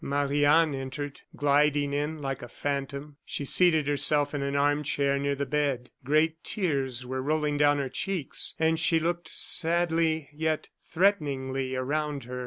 Marie Anne entered gliding in like a phantom. She seated herself in an arm chair near the bed. Great tears were rolling down her cheeks, and she looked sadly, yet threateningly, around her.